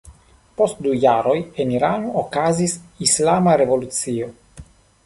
Post du jaroj en Irano okazis Islama Revolucio.